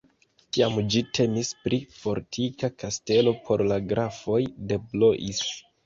Tiam ĝi temis pri fortika kastelo por la grafoj de Blois.